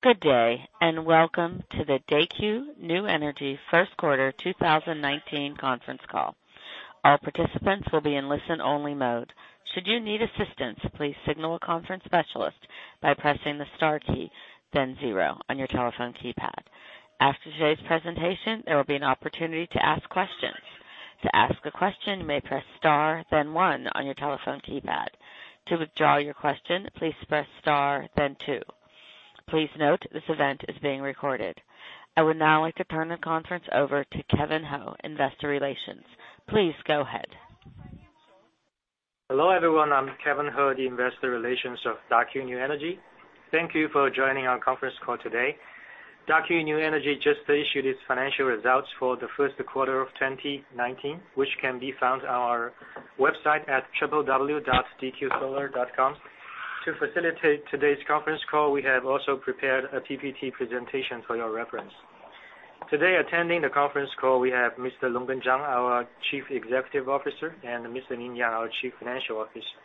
Good day. Welcome to the Daqo New Energy first quarter 2019 conference call. All participants will be in listen-only mode. Should you need assistance, please signal a conference specialist by pressing the star key, then zero on your telephone keypad. After today's presentation, there will be an opportunity to ask questions. To ask a question, you may press star then one on your telephone keypad. To withdraw your question, please press star then two. Please note this event is being recorded. I would now like to turn the conference over to Kevin He, Investor Relations. Please go ahead. Hello, everyone. I'm Kevin He, the Investor Relations of Daqo New Energy. Thank you for joining our conference call today. Daqo New Energy just issued its financial results for the first quarter of 2019, which can be found on our website at www.dqsolar.com. To facilitate today's conference call, we have also prepared a PPT presentation for your reference. Today, attending the conference call, we have Mr. Longgen Zhang, our Chief Executive Officer, and Mr. Ming Yang, our Chief Financial Officer.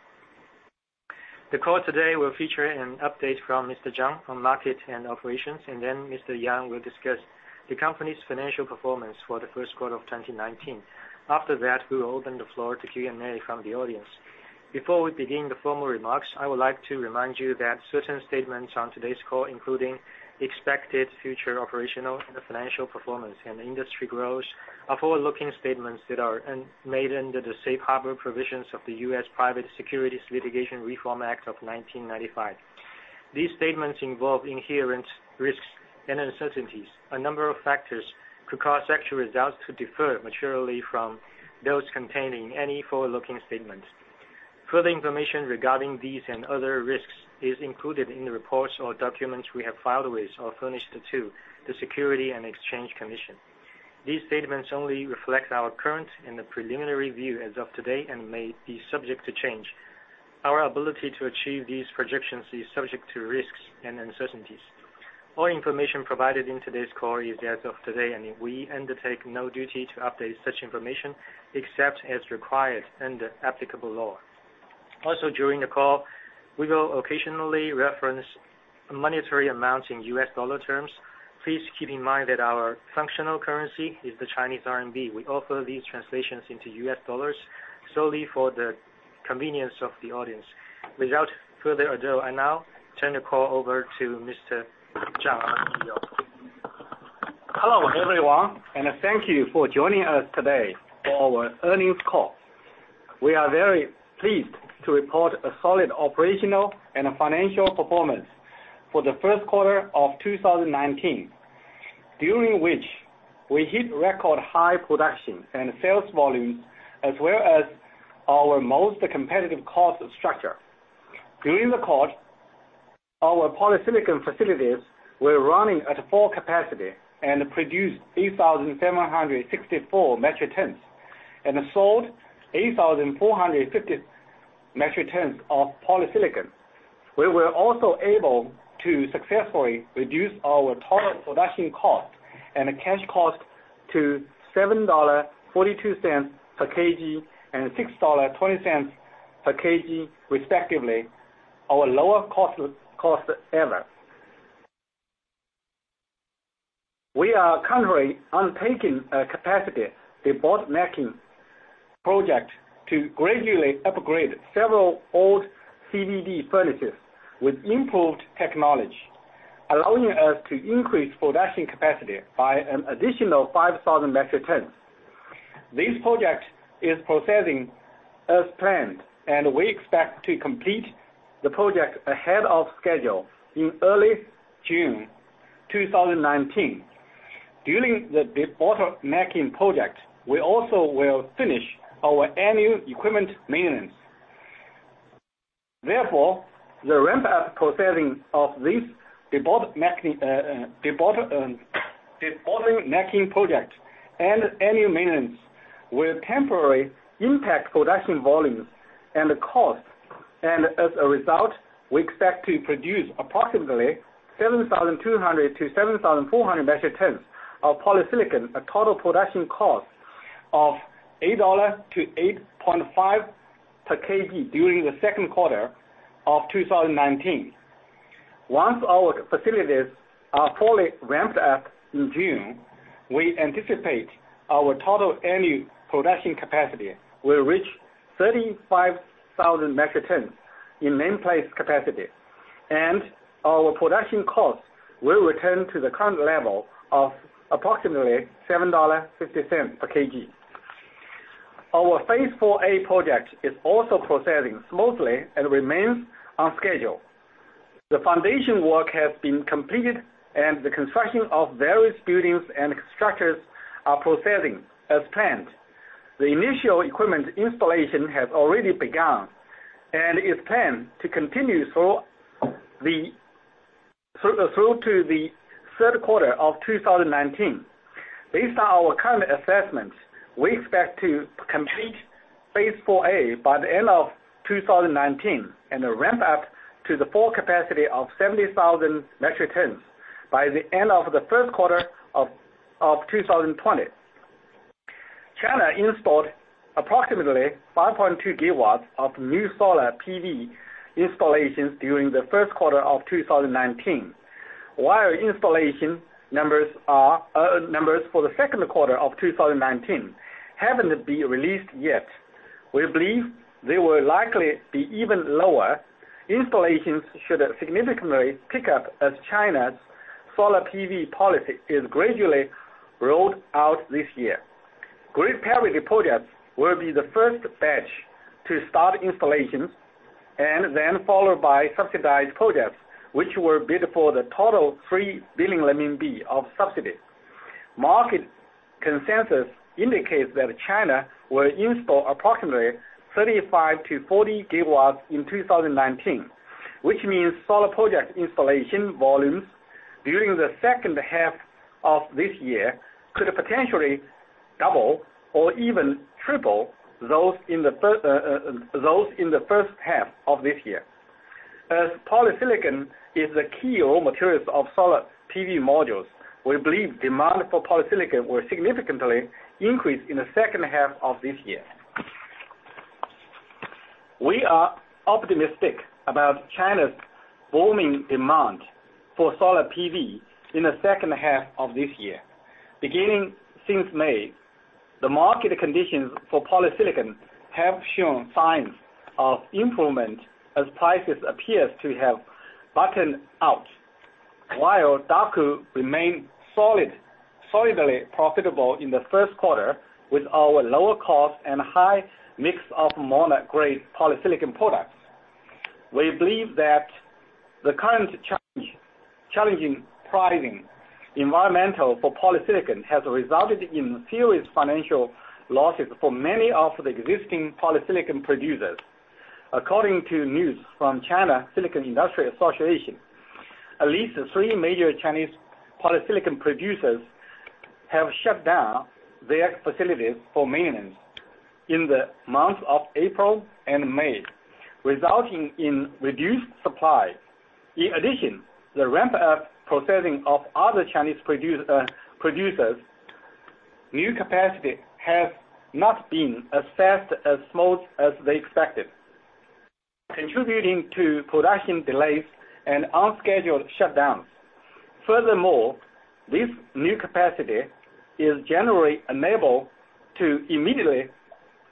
The call today will feature an update from Mr. Zhang on market and operations, then Mr. Yang will discuss the company's financial performance for the first quarter of 2019. After that, we will open the floor to Q&A from the audience. Before we begin the formal remarks, I would like to remind you that certain statements on today's call, including expected future operational and financial performance and industry growth, are forward-looking statements that are made under the Safe Harbor provisions of the U.S. Private Securities Litigation Reform Act of 1995. These statements involve inherent risks and uncertainties. A number of factors could cause actual results to differ materially from those contained in any forward-looking statements. Further information regarding these and other risks is included in the reports or documents we have filed with or furnished to the Securities and Exchange Commission. These statements only reflect our current and the preliminary view as of today and may be subject to change. Our ability to achieve these projections is subject to risks and uncertainties. All information provided in today's call is as of today, and we undertake no duty to update such information except as required under applicable law. During the call, we will occasionally reference monetary amounts in US dollar terms. Please keep in mind that our functional currency is the Chinese RMB. We offer these translations into US dollars solely for the convenience of the audience. Without further ado, I now turn the call over to Mr. Zhang, our CEO. Hello, everyone, and thank you for joining us today for our earnings call. We are very pleased to report a solid operational and financial performance for the first quarter of 2019, during which we hit record high production and sales volumes, as well as our most competitive cost structure. During the quarter, our polysilicon facilities were running at full capacity and produced 8,764 metric tons and sold 8,450 metric tons of polysilicon. We were also able to successfully reduce our total production cost and cash cost to $7.42 per kg and $6.20 per kg, respectively, our lower cost ever. We are currently undertaking a capacity debottlenecking project to gradually upgrade several old CVD furnaces with improved technology, allowing us to increase production capacity by an additional 5,000 metric tons. This project is proceeding as planned. We expect to complete the project ahead of schedule in early June 2019. During the debottlenecking project, we also will finish our annual equipment maintenance. Therefore, the ramp-up processing of this debottlenecking project and annual maintenance will temporarily impact production volumes and cost. As a result, we expect to produce approximately 7,200-7,400 metric tons of polysilicon at total production cost of $8-$8.5 per kg during the second quarter of 2019. Once our facilities are fully ramped up in June, we anticipate our total annual production capacity will reach 35,000 metric tons in nameplate capacity, and our production costs will return to the current level of approximately $7.50 per kg. Our Phase 4A project is also proceeding smoothly and remains on schedule. The foundation work has been completed, the construction of various buildings and structures are proceeding as planned. The initial equipment installation has already begun and is planned to continue through to the third quarter of 2019. Based on our current assessments, we expect to complete Phase 4A by the end of 2019 and ramp up to the full capacity of 70,000 metric tons by the end of the first quarter of 2020. China installed approximately 5.2 GW of new solar PV installations during the first quarter of 2019. While installation numbers for the second quarter of 2019 haven't been released yet. We believe they will likely be even lower. Installations should significantly pick up as China's solar PV policy is gradually rolled out this year. Grid parity projects will be the first batch to start installations and then followed by subsidized projects, which will bid for the total 3 billion RMB of subsidies. Market consensus indicates that China will install approximately 35 GW-40 GW in 2019, which means solar project installation volumes during the second half of this year could potentially double or even triple those in the first half of this year. As polysilicon is the key raw materials of solar PV modules, we believe demand for polysilicon will significantly increase in the second half of this year. We are optimistic about China's booming demand for solar PV in the second half of this year. Beginning since May, the market conditions for polysilicon have shown signs of improvement as prices appear to have bottomed out. Daqo remained solidly profitable in the first quarter with our lower cost and high mix of mono-grade polysilicon products. We believe that the current challenging pricing environment for polysilicon has resulted in serious financial losses for many of the existing polysilicon producers. According to news from China Silicon Industry Association, at least three major Chinese polysilicon producers have shut down their facilities for maintenance in the months of April and May, resulting in reduced supply. The ramp-up processing of other Chinese producers' new capacity has not been as fast, as smooth as they expected, contributing to production delays and unscheduled shutdowns. This new capacity is generally unable to immediately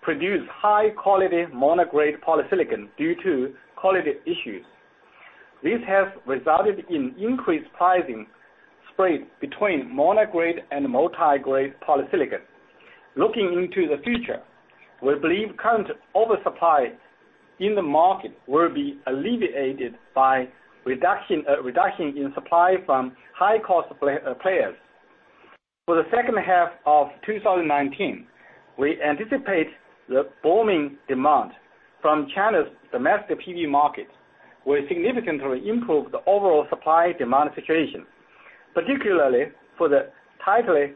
produce high-quality mono-grade polysilicon due to quality issues. This has resulted in increased pricing spread between mono-grade and multi-grade polysilicon. Looking into the future, we believe current oversupply in the market will be alleviated by reduction in supply from high-cost players. For the second half of 2019, we anticipate the booming demand from China's domestic PV market will significantly improve the overall supply-demand situation, particularly for the tightly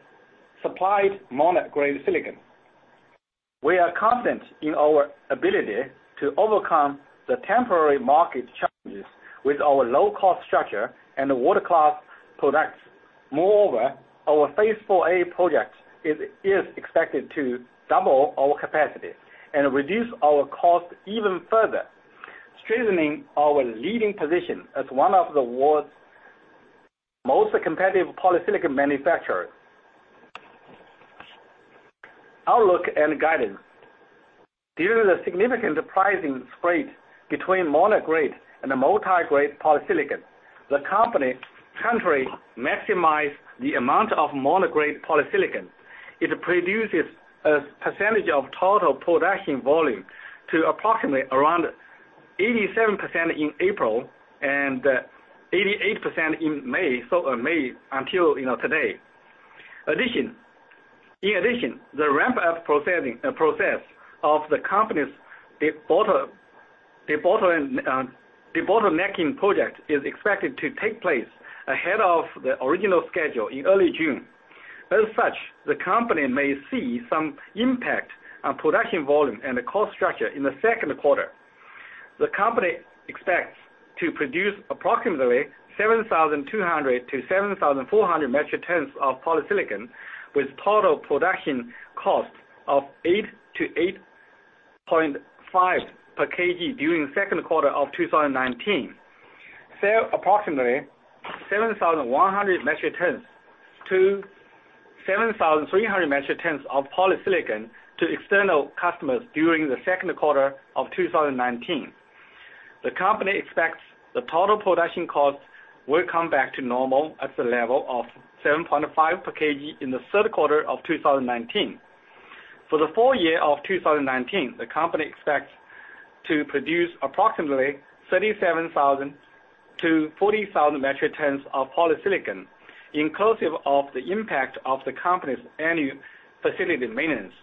supplied mono-grade silicon. We are confident in our ability to overcome the temporary market challenges with our low-cost structure and world-class products. Moreover, our Phase 4A project is expected to double our capacity and reduce our cost even further, strengthening our leading position as one of the world's most competitive polysilicon manufacturer. Outlook and guidance. Due to the significant pricing spread between mono-grade and the multi-grade polysilicon, the company currently maximize the amount of mono-grade polysilicon. It produces a percentage of total production volume to approximately 87% in April and 88% in May. May until, you know, today. In addition, the ramp-up processing process of the company's debottlenecking project is expected to take place ahead of the original schedule in early June. As such, the company may see some impact on production volume and the cost structure in the second quarter. The company expects to produce approximately 7,200 metric tons-7,400 metric tons of polysilicon with total production cost of $8-$8.5 per kg during second quarter of 2019. Sell approximately 7,100 metric tons-7,300 metric tons of polysilicon to external customers during the second quarter of 2019. The company expects the total production cost will come back to normal at the level of $7.5 per kg in the third quarter of 2019. For the full year of 2019, the company expects to produce approximately 37,000 metric tons-40,000 metric tons of polysilicon, inclusive of the impact of the company's annual facility maintenance.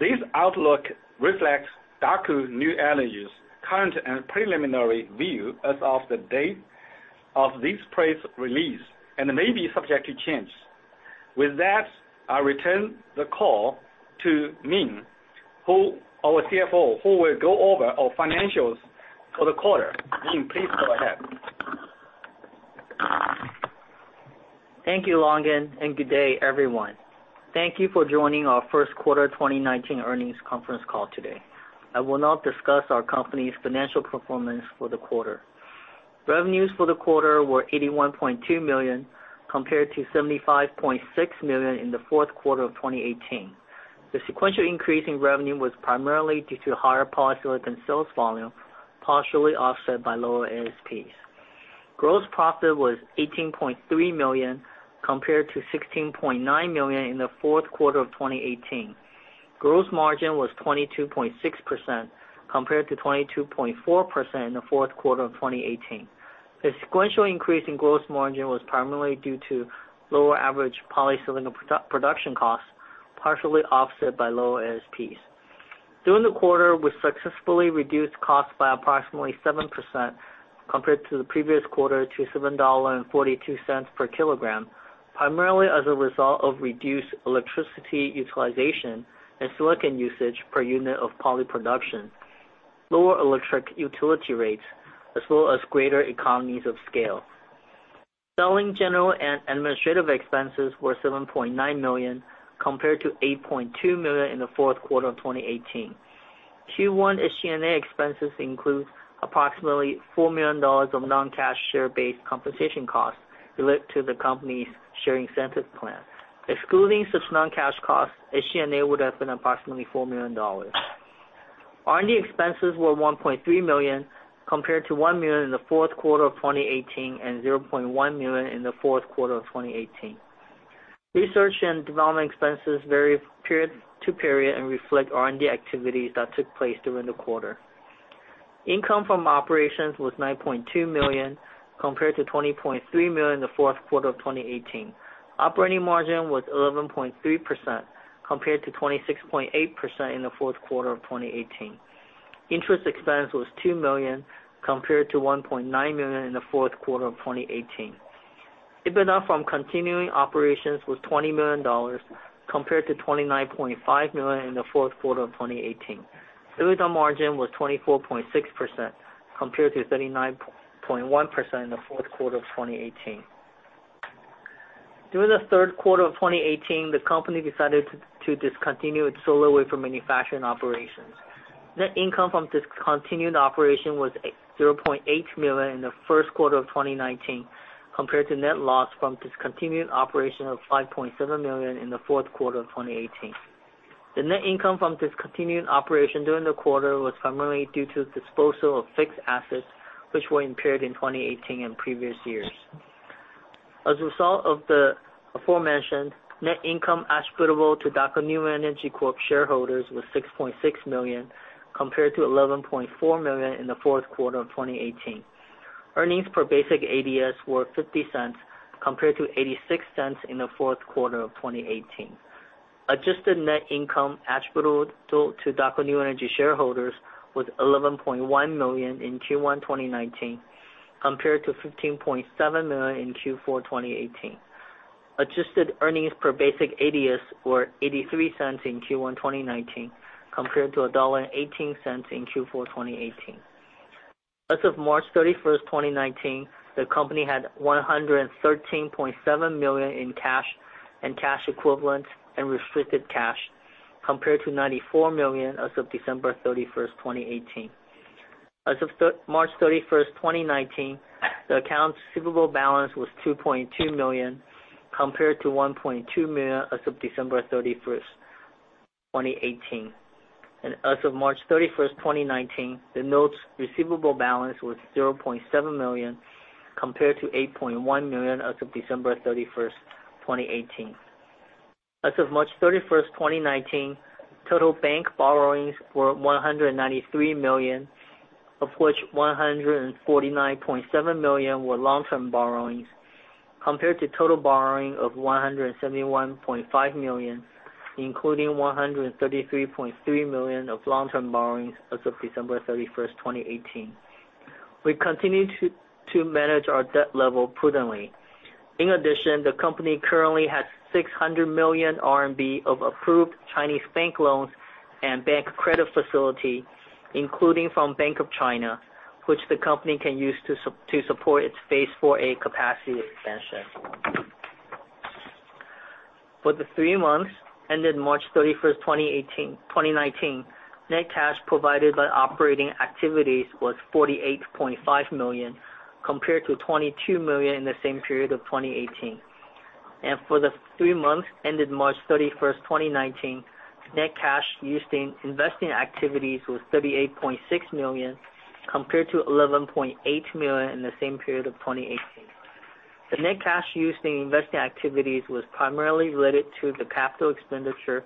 This outlook reflects Daqo New Energy's current and preliminary view as of the date of this press release and may be subject to change. With that, I return the call to Ming, our CFO, who will go over our financials for the quarter. Ming, please go ahead. Thank you, Longgen, and good day everyone. Thank you for joining our first quarter 2019 earnings conference call today. I will now discuss our company's financial performance for the quarter. Revenues for the quarter were $81.2 million, compared to $75.6 million in the fourth quarter of 2018. The sequential increase in revenue was primarily due to higher polysilicon sales volume, partially offset by lower ASPs. Gross profit was $18.3 million, compared to $16.9 million in the fourth quarter of 2018. Gross margin was 22.6% compared to 22.4% in the fourth quarter of 2018. The sequential increase in gross margin was primarily due to lower average polysilicon production costs, partially offset by lower ASPs. During the quarter, we successfully reduced costs by approximately 7% compared to the previous quarter to $7.42 per kilogram, primarily as a result of reduced electricity utilization and silicon usage per unit of poly production, lower electric utility rates, as well as greater economies of scale. Selling, general, and administrative expenses were $7.9 million, compared to $8.2 million in the fourth quarter of 2018. Q1 SG&A expenses include approximately $4 million of non-cash share-based compensation costs related to the company's share incentive plan. Excluding such non-cash costs, SG&A would have been approximately $4 million. R&D expenses were $1.3 million, compared to $1 million in the fourth quarter of 2018 and $0.1 million in the fourth quarter of 2018. Research and development expenses vary period to period and reflect R&D activities that took place during the quarter. Income from operations was $9.2 million, compared to $20.3 million in the fourth quarter of 2018. Operating margin was 11.3% compared to 26.8% in the fourth quarter of 2018. Interest expense was $2 million compared to $1.9 million in the fourth quarter of 2018. EBITDA from continuing operations was $20 million, compared to $29.5 million in the fourth quarter of 2018. EBITDA margin was 24.6% compared to 39.1% in the fourth quarter of 2018. During the third quarter of 2018, the company decided to discontinue its solar wafer manufacturing operations. Net income from discontinued operation was $0.8 million in the first quarter of 2019 compared to net loss from discontinued operation of $5.7 million in the fourth quarter of 2018. The net income from discontinued operation during the quarter was primarily due to disposal of fixed assets which were impaired in 2018 and previous years. As a result of the aforementioned, net income attributable to Daqo New Energy Corp. shareholders was $6.6 million compared to $11.4 million in the fourth quarter of 2018. Earnings per basic ADS were $0.50 compared to $0.86 in the fourth quarter of 2018. Adjusted net income attributable to Daqo New Energy shareholders was $11.1 million in Q1 2019 compared to $15.7 million in Q4 2018. Adjusted earnings per basic ADS were $0.83 in Q1 2019 compared to $1.18 in Q4 2018. As of March 31, 2019, the company had $113.7 million in cash and cash equivalents and restricted cash compared to $94 million as of December 31, 2018. As of March 31, 2019, the accounts receivable balance was $2.2 million compared to $1.2 million as of December 31, 2018. As of March 31, 2019, the notes receivable balance was $0.7 million compared to $8.1 million as of December 31, 2018. As of March 31st, 2019, total bank borrowings were $193 million, of which $149.7 million were long-term borrowings, compared to total borrowing of $171.5 million, including $133.3 million of long-term borrowings as of December 31st, 2018. We continue to manage our debt level prudently. In addition, the company currently has 600 million RMB of approved Chinese bank loans and bank credit facility, including from Bank of China, which the company can use to support its Phase 4A capacity expansion. For the three months ended March 31st, 2019, net cash provided by operating activities was $48.5 million compared to $22 million in the same period of 2018. For the three months ended March 31st, 2019, net cash used in investing activities was $38.6 million compared to $11.8 million in the same period of 2018. The net cash used in investing activities was primarily related to the capital expenditure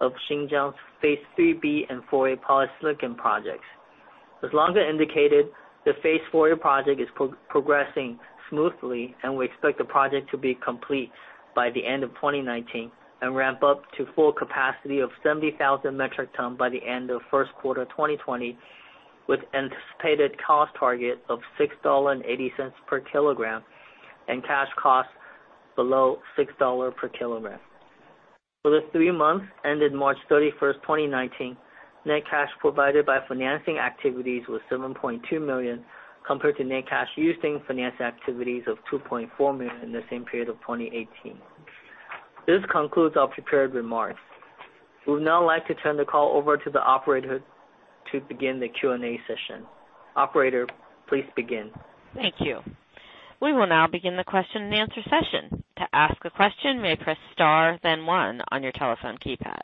of Xinjiang's Phase 3B and 4A polysilicon projects. As Longgen indicated, the Phase 4A project is progressing smoothly, and we expect the project to be complete by the end of 2019 and ramp up to full capacity of 70,000 metric tons by the end of first quarter of 2020, with anticipated cost target of $6.80 per kilogram and cash cost below $6 per kilogram. For the three months ended March 31st, 2019, net cash provided by financing activities was $7.2 million, compared to net cash using finance activities of $2.4 million in the same period of 2018. This concludes our prepared remarks. We would now like to turn the call over to the operator to begin the Q&A session. Operator, please begin. Thank you. We will now begin the question and answer session. To ask a question, may press star then one on your telephone keypad.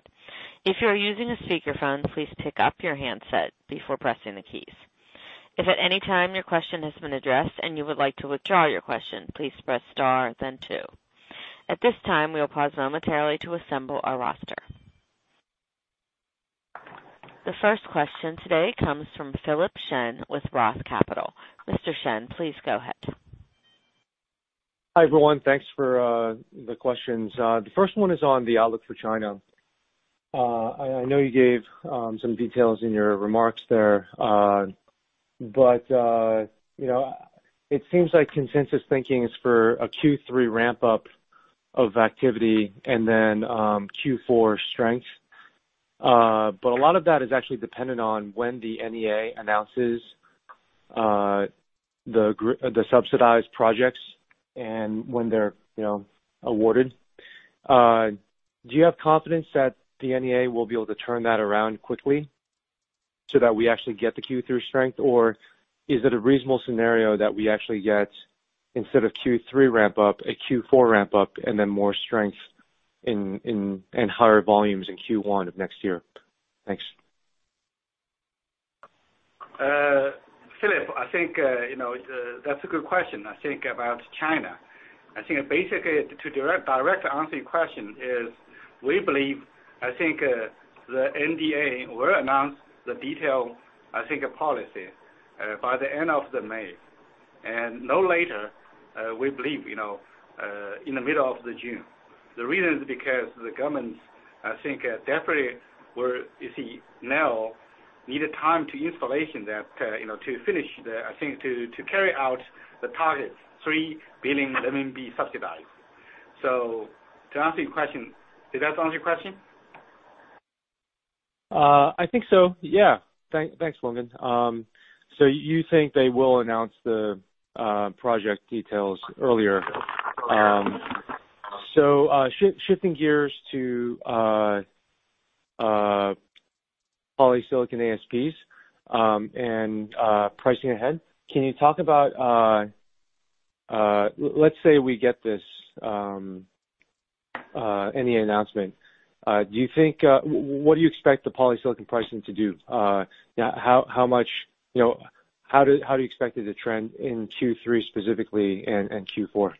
If you are using a speakerphone, please pick up your handset before pressing the keys. If at any time your question has been addressed and you would like to withdraw your question, please press star then two. At this time, we will pause momentarily to assemble our roster. The first question today comes from Philip Shen with Roth Capital. Mr. Shen, please go ahead. Hi, everyone. Thanks for the questions. The first one is on the outlook for China. I know you gave some details in your remarks there. It seems like consensus thinking is for a Q3 ramp-up of activity and then Q4 strength. A lot of that is actually dependent on when the NEA announces the subsidized projects and when they're, you know, awarded. Do you have confidence that the NEA will be able to turn that around quickly so that we actually get the Q3 strength? Is it a reasonable scenario that we actually get instead of Q3 ramp-up, a Q4 ramp-up, and then more strength in higher volumes in Q1 of next year? Thanks. Philip, I think, you know, that's a good question, I think, about China. I think basically to direct answer your question is we believe, I think, the NEA will announce the detail, I think, policy, by the end of the May, and no later, we believe, you know, in the middle of the June. The reason is because the government, I think, definitely will, you see, now need a time to installation that, you know, to finish the I think to carry out the targets, 3 billion subsidized. To answer your question Did that answer your question? I think so, yeah. Thanks, Longgen. You think they will announce the project details earlier? Shifting gears to polysilicon ASPs and pricing ahead. Can you talk about, let's say we get this NEA announcement. Do you think, what do you expect the polysilicon pricing to do? How much, you know, how do you expect it to trend in Q3 specifically and Q4?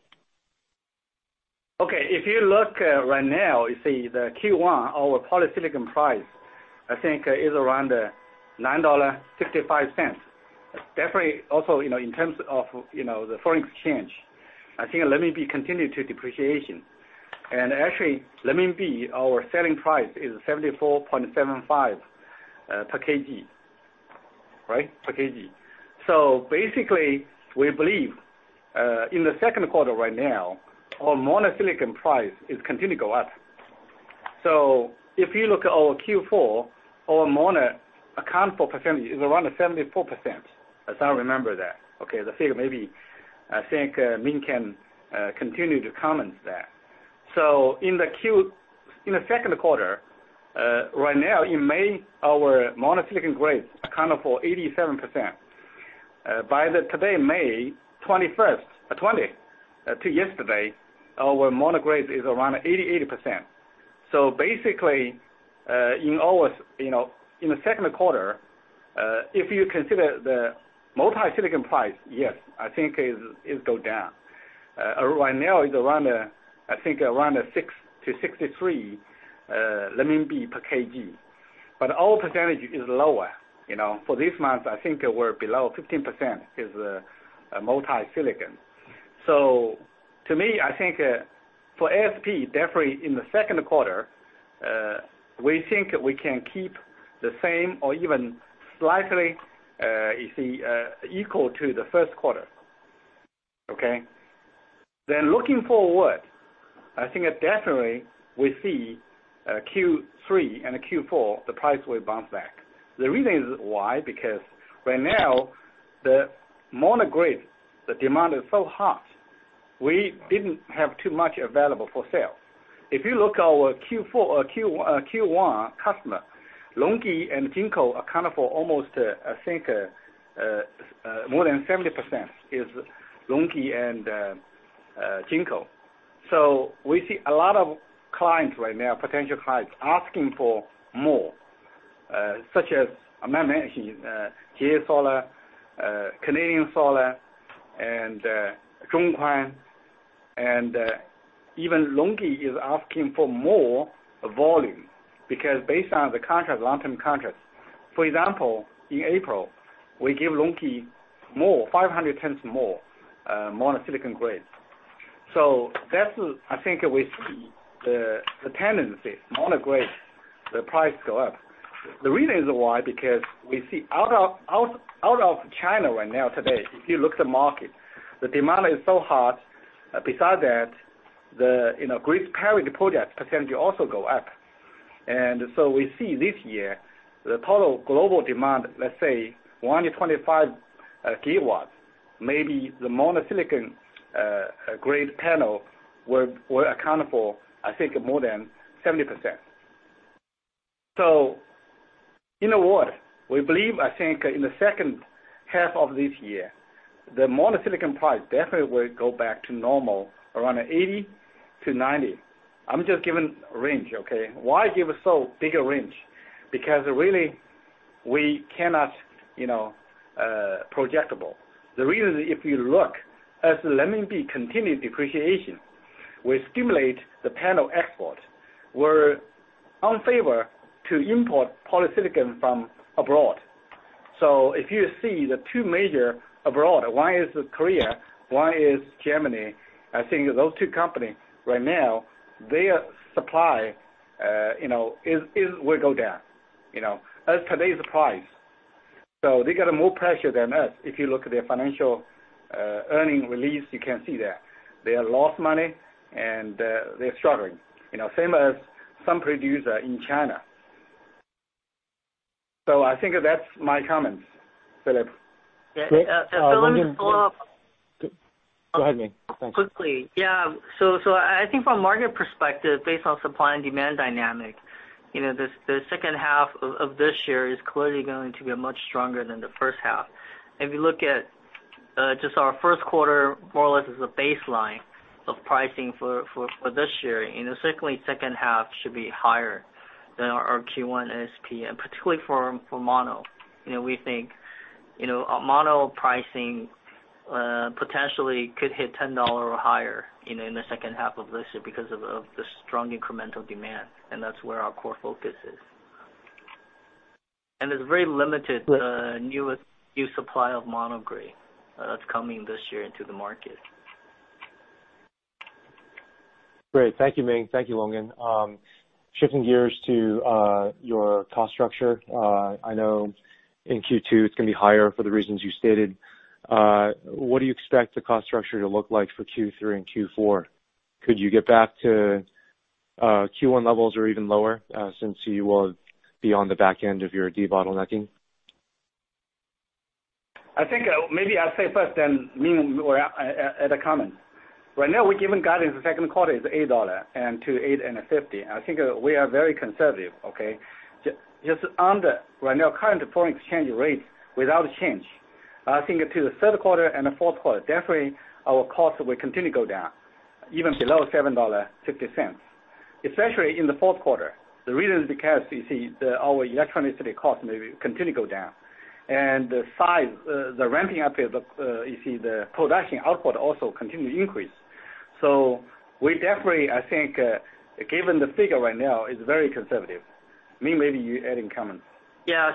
Okay. If you look right now, you see the Q1, our polysilicon price, I think, is around $9.65. Definitely also, you know, in terms of, you know, the foreign exchange, I think RMB continue to depreciation. RMB, our selling price is 74.75 per kg. Right? Per kg. We believe in the second quarter right now, our mono-silicon price is continue go up. At our Q4, our mono account for is around 74%, as I remember that. Okay. The figure maybe, I think, Ming can continue to comment that. In the second quarter, right now in May, our mono-silicon grades account for 87%. By the today, May 21st to yesterday, our mono grade is around 80%. Basically, in our, you know, in the second quarter, if you consider the multi-silicon price, yes, I think is go down. Right now is around, I think around, 6-63 renminbi per kg. Our percentage is lower, you know. For this month, I think we're below 15% is multi-silicon. To me, I think, for ASP, definitely in the second quarter, we think we can keep the same or even slightly, you see, equal to the first quarter. Okay. Looking forward, I think definitely we see Q3 and Q4, the price will bounce back. The reason is why, because right now the mono-grade, the demand is so high, we didn't have too much available for sale. If you look our Q4, Q1 customer, LONGi and JinkoSolar account for almost, I think, more than 70% is LONGi and JinkoSolar. We see a lot of clients right now, potential clients asking for more, such as I mentioned, JA Solar, Canadian Solar and Zhonghuan, and even LONGi is asking for more volume because based on the contract, long-term contract. For example, in April, we give LONGi more, 500 tons more, mono-silicon grade. That's, I think with the tendency, mono-grade. The price go up. The reason why, because we see out of China right now today, if you look the market, the demand is so high. Besides that, the, you know, grid current projects potentially also go up. We see this year the total global demand, let's say 125 GW, maybe the mono-silicon grade panel will account for more than 70%. In a word, we believe in the second half of this year, the mono-silicon price definitely will go back to normal around 80-90. I'm just giving range, okay? Why give so big a range? Really we cannot, you know, projectable. The reason, if you look as the renminbi continued depreciation, will stimulate the panel export. We're unfavor to import polysilicon from abroad. If you see the two major abroad, one is Korea, one is Germany. Those two company right now, their supply, you know, will go down, you know, as today's price. They get more pressure than us. If you look at their financial earnings release, you can see that. They lost money and they're struggling. You know, same as some producer in China. I think that's my comments, Philip. Yeah. Great. Let me follow up. Go ahead, Ming. Thanks. Quickly. Yeah. I think from a market perspective, based on supply and demand dynamic, you know, the second half of this year is clearly going to be much stronger than the first half. If you look at just our first quarter more or less as a baseline of pricing for this year, you know, certainly second half should be higher than our Q1 ASP, and particularly for mono. You know, we think, you know, mono pricing potentially could hit $10 or higher, you know, in the second half of this year because of the strong incremental demand, and that's where our core focus is. There's very limited newest new supply of mono-grade, that's coming this year into the market. Great. Thank you, Ming. Thank you, Longgen. Shifting gears to your cost structure. I know in Q2 it's gonna be higher for the reasons you stated. What do you expect the cost structure to look like for Q3 and Q4? Could you get back to Q1 levels or even lower, since you will be on the back end of your debottlenecking? I think maybe I'll say first, then Ming will add a comment. Right now, we've given guidance the second quarter is $8.00-$8.50. I think we are very conservative, okay? Just on the right now current foreign exchange rate without change, I think to the third quarter and the fourth quarter, definitely our costs will continue to go down, even below $7.50, especially in the fourth quarter. The reason is because our electricity cost may continue go down. The size, the ramping up of production output also continue to increase. We definitely, I think, given the figure right now is very conservative. Ming, maybe you add in comment. I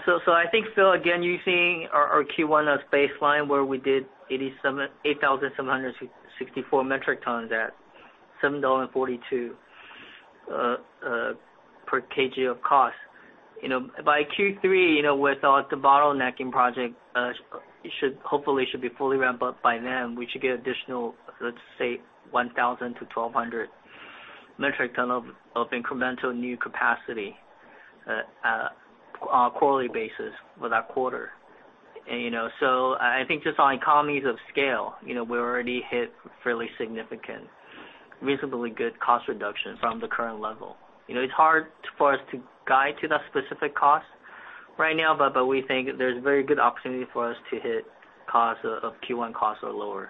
think, Phil, again, using our Q1 as baseline, where we did 8,764 metric tons at $7.42 per kg of cost. You know, by Q3, you know, with all the bottlenecking project, should, hopefully should be fully ramped up by then. We should get additional, let's say 1,000 metric tons-1,200 metric tons of incremental new capacity on a quarterly basis for that quarter. I think just on economies of scale, you know, we're already hit fairly significant, reasonably good cost reduction from the current level. You know, it's hard for us to guide to that specific cost right now, but we think there's very good opportunity for us to hit costs of Q1 costs or lower.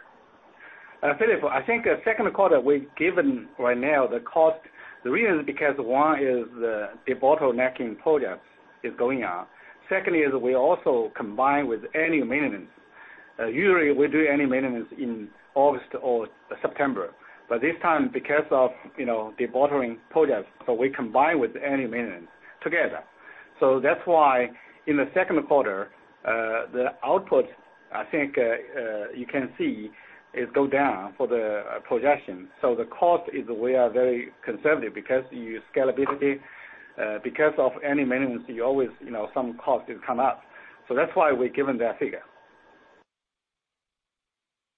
Philip, I think second quarter we've given right now the cost. The reason is because one is the debottlenecking projects is going on. Secondly is we also combine with annual maintenance. Usually we do annual maintenance in August or September. This time, because of, you know, debottlenecking projects, we combine with annual maintenance together. That's why in the second quarter, the output, I think, you can see it go down for the projection. The cost is we are very conservative because of scalability, because of annual maintenance, you always, you know, some costs will come up. That's why we've given that figure.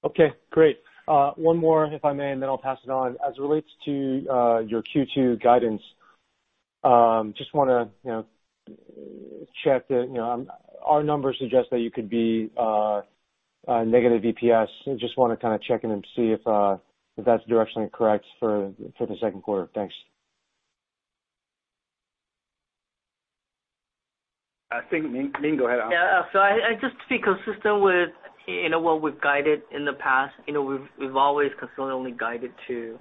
Okay, great. One more, if I may, and then I'll pass it on. As it relates to your Q2 guidance, just wanna, you know, check that, you know, our numbers suggest that you could be negative EPS. Just wanna kinda check in and see if that's directionally correct for the second quarter. Thanks. I think Ming, go ahead. Yeah. I just to be consistent with, you know, what we've guided in the past, you know, we've always consistently guided to,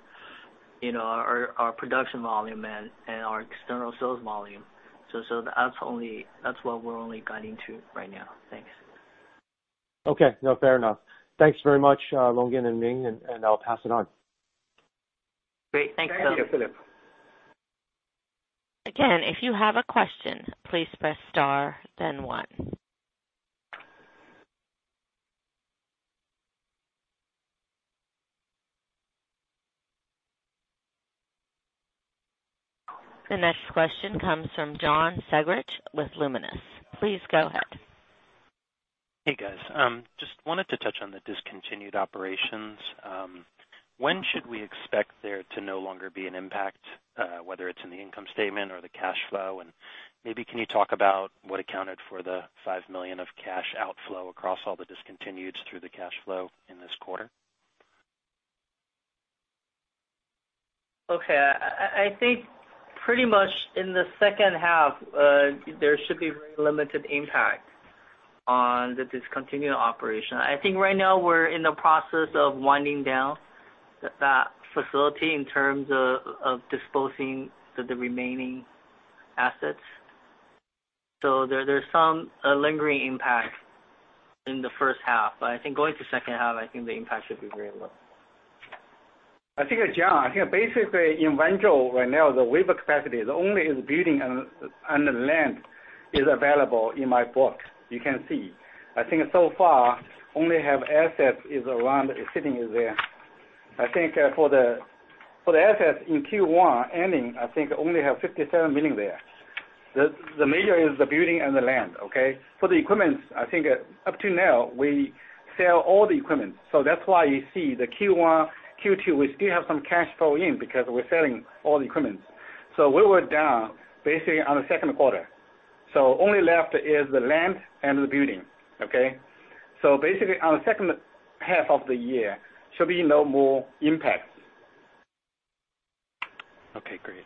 you know, our production volume and our external sales volume. That's what we're only guiding to right now. Thanks. Okay. No, fair enough. Thanks very much, Longgen and Ming, and I'll pass it on. Great. Thanks, Phil. Thank you, Philip. Again, if you have a question, please press star then one. The next question comes from John Segrich with Luminus. Please go ahead. Hey, guys. Just wanted to touch on the discontinued operations. When should we expect there to no longer be an impact, whether it's in the income statement or the cash flow? Maybe can you talk about what accounted for the $5 million of cash outflow across all the discontinued through the cash flow in this quarter? Okay. I think pretty much in the second half, there should be very limited impact on the discontinued operation. I think right now we're in the process of winding down that facility in terms of disposing the remaining assets. There's some lingering impact in the first half, but I think going to second half, I think the impact should be very low. I think, John, I think basically in Wanzhou right now, the wafer capacity only is building on the land is available in my book. You can see. I think so far only have assets is around sitting there. I think for the assets in Q1 ending, I think only have $57 million there. The major is the building and the land. Okay. For the equipment, I think up to now we sell all the equipment. That's why you see the Q1, Q2, we still have some cash flow in because we're selling all the equipment. We were down basically on the second quarter, so only left is the land and the building. Okay. Basically on the second half of the year should be no more impact. Okay, great.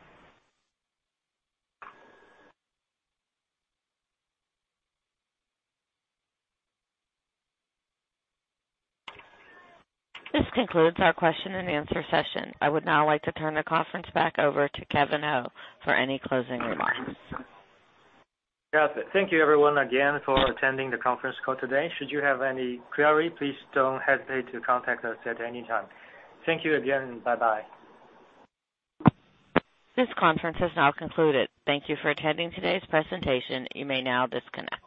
This concludes our question and answer session. I would now like to turn the conference back over to Kevin He for any closing remarks. Yes, thank you everyone again for attending the conference call today. Should you have any query, please don't hesitate to contact us at any time. Thank you again. Bye-bye. This conference has now concluded. Thank you for attending today's presentation. You may now disconnect.